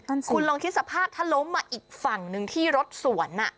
คุณลองคิดสภาพถ้าล้มมาอีกฝั่งหนึ่งที่รถสวน